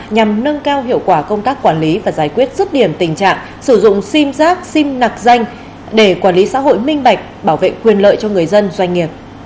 nhằm nâng cao hiệu quả công tác quản lý và giải quyết rứt điểm tình trạng sử dụng sim giác sim nạc danh để quản lý xã hội minh bạch bảo vệ quyền lợi cho người dân doanh nghiệp